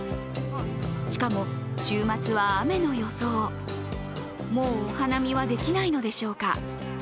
しかも週末は雨の予想、もうお花見はできないのでしょうか。